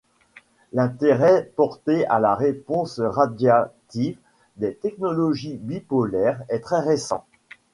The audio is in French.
L’intérêt porté à la réponse radiative des technologies bipolaires est très récent.